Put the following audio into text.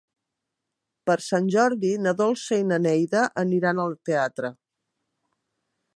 Per Sant Jordi na Dolça i na Neida aniran al teatre.